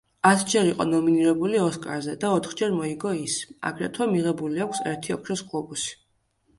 ათჯერ იყო ნომინირებული ოსკარზე და ოთხჯერ მოიგო ის, აგრეთვე მიღებული აქვს ერთი ოქროს გლობუსი.